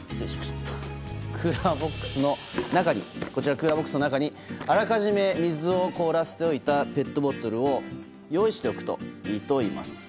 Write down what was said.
クーラーボックスの中にあらかじめ水を凍らせておいたペットボトルを用意しておくといいといいます。